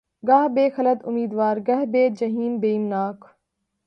گاہ بہ خلد امیدوار‘ گہہ بہ جحیم بیم ناک